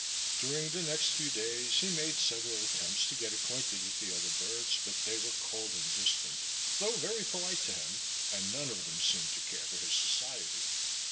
During the next few days he made several attempts to get acquainted with the other birds, but they were cold and distant, though very polite to him; and none of them seemed to care for his society.